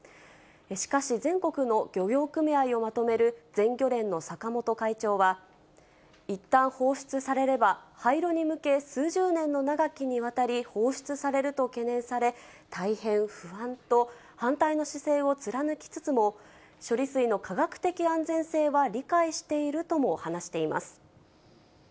しかし、全国の漁業組合をまとめる全漁連の坂本会長は、いったん放出されれば、廃炉に向け、数十年の長きにわたり放出されると懸念され、大変不安と反対の姿勢を貫きつつも、処理水の科学的安全性は理解しているとも話しています。